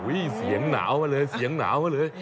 เสียงหนาวมาเลยเสียงหนาวมาเลย